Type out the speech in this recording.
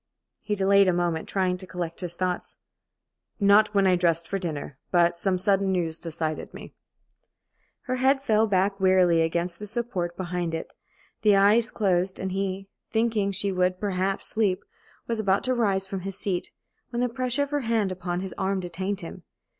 He delayed a moment, trying to collect his thoughts. "Not when I dressed for dinner, but some sudden news decided me." Her head fell back wearily against the support behind it. The eyes closed, and he, thinking she would perhaps sleep, was about to rise from his seat, when the pressure of her hand upon his arm detained him.